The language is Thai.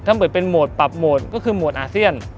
เหมือนเป็นโหมดปรับโหมดก็คือโหมดอาเซียน